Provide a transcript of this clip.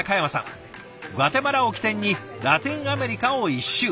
グアテマラを起点にラテンアメリカを一周。